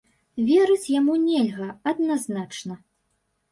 Верыць яму нельга, адназначна.